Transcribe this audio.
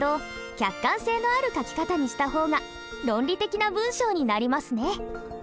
客観性のある書き方にした方が論理的な文章になりますね。